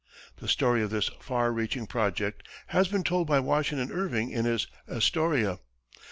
The story of this far reaching project has been told by Washington Irving in his "Astoria."